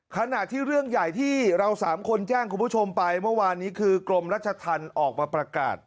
ขณะที่เรื่องใหญ่ที่เราสามคนแจ้งคุณผู้ชมไปเมื่อวานนี้คือกรมรัชธรรมออกมาประกาศ